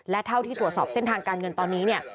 และเท่าที่ตรวจสอบเส้นทางการเงินตอนนี้เนี่ย